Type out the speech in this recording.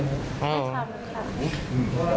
น้องเขากลัว